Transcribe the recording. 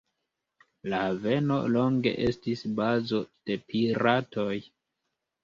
La haveno longe estis bazo de piratoj.